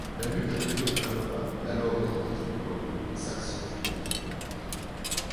La lutte avec Feofanova, l'alors détentrice du record du monde, s'accentue l'année suivante.